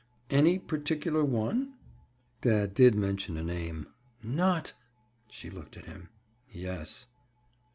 "Any particular one?" "Dad did mention a name." "Not—?" She looked at him. "Yes."